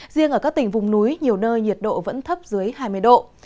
riêng ở các tỉnh vùng núi nhiều nơi nhiệt độ vẫn thấp dưới hai mươi độ